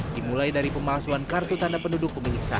dimulai dari pemalsuan kartu tanda penduduk pemilik saha